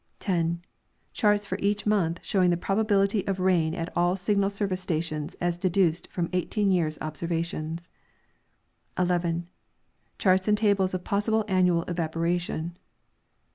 Charts for each month, showing the probability of rain at all Signal service stations as deduced from 18 years' observations. 11. Charts and tables of possible annual evaporation.